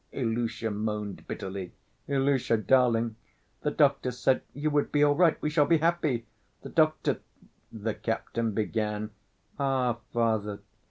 Ilusha moaned bitterly. "Ilusha ... darling ... the doctor said ... you would be all right ... we shall be happy ... the doctor ..." the captain began. "Ah, father!